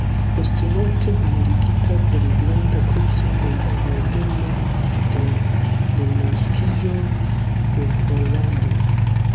Postmorte honorigita per Granda Kruco de la Ordeno de Renaskiĝo de Pollando.